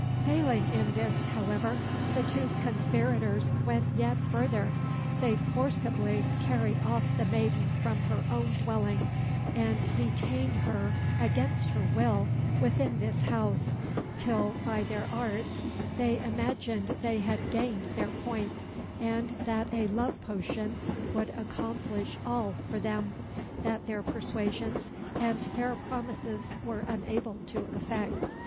Failing in this, however, the two conspirators went yet further. They forcibly carried off the maiden from her own dwelling, and detained her against her will within this house, till by their arts they imagined they had gained their point and that a love potion would accomplish all for them, that their persuasions and fair promises were unable to effect.